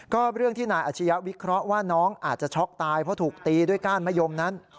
ก็เรื่องที่นายอาชียะวิเคราะห์ว่าน้องอาจจะช็อกตายเพราะถูกตีด้วยก้านมะยมนั้น